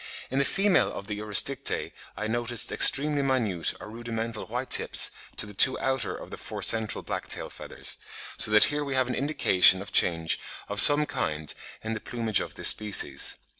In the female of the Urosticte I noticed extremely minute or rudimental white tips to the two outer of the four central black tail feathers; so that here we have an indication of change of some kind in the plumage of this species.